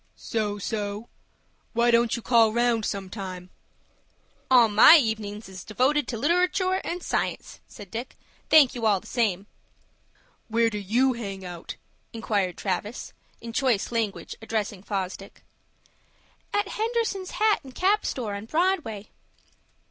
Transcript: "So so. Why don't you call round, some time?" "All my evenin's is devoted to literatoor and science," said Dick. "Thank you all the same." "Where do you hang out?" inquired Travis, in choice language, addressing Fosdick. "At Henderson's hat and cap store, on Broadway."